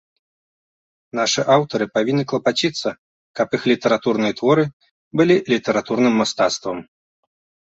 Нашы аўтары павінны клапаціцца, каб іх літаратурныя творы былі літаратурным мастацтвам.